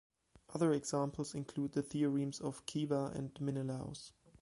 Other examples include the theorems of Ceva and Menelaus.